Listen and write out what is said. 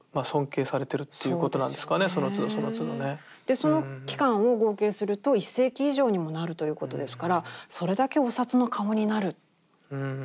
その期間を合計すると１世紀以上にもなるということですからそれだけお札の顔になる大変な。